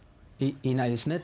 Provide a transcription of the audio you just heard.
いないですね。